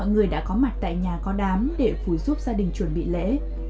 ngoài nhà có đám để phùi giúp gia đình chuẩn bị lễ